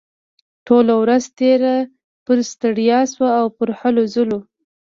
ټوله ورځ تېره پر ستړيا شوه او پر هلو ځلو.